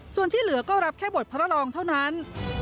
ส่วนที่เหลือก็รับแค่บทพระรองเท่านั้น